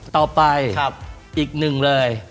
ต่อไปอีกหนึ่งเลย